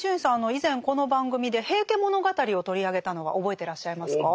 以前この番組で「平家物語」を取り上げたのは覚えてらっしゃいますか？